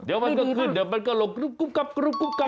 เดี๋ยวมันก็ขึ้นเดี๋ยวมันก็ลงกุ๊บกุ๊บกับกุ๊บกุ๊บกับ